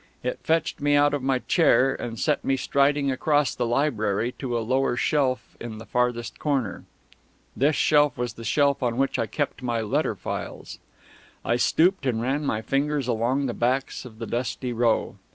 It fetched me out of my chair and set me striding across the library to a lower shelf in the farthest corner. This shelf was the shelf on which I kept my letter files. I stooped and ran my fingers along the backs of the dusty row.